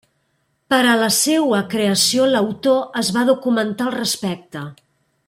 Per a la seua creació l'autor es va documentar al respecte.